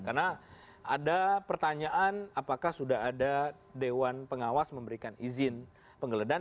karena ada pertanyaan apakah sudah ada dewan pengawas memberikan izin penggeledahan